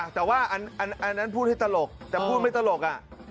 แต่ว่าอันนั้นพูดให้ตลกแต่พูดไม่ตลก